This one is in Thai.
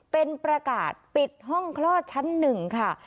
เป็นประกาศปิดห้องคลอดชั้น๑ค่ะ